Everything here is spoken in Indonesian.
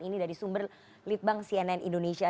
ini dari sumber litbang cnn indonesia